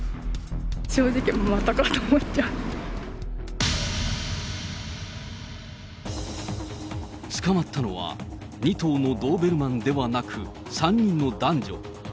正直、捕まったのは、２頭のドーベルマンではなく、３人の男女。